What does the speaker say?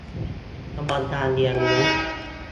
กระบวนการเรียนรู้